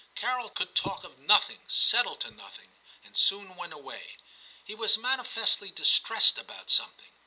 Carol could talk of nothing, settle to nothing, and soon went away ; he was manifestly distressed about something.